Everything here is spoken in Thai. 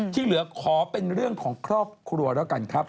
ที่เหลือขอเป็นเรื่องของครอบครัวแล้วกันครับ